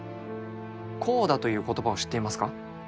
コーダという言葉を知っていますか？